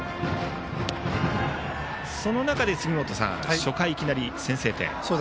その中で杉本さん初回いきなり先制点。